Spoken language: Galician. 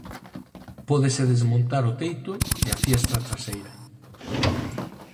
Pódese desmontar o teito e a fiestra traseira.